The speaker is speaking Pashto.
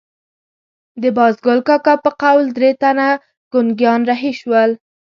د بازګل کاکا په قول درې تنه ګونګیان رهي شول.